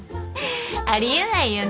あり得ないよね。